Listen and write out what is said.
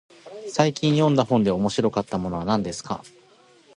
最近読んだ本で面白かったものは何ですか。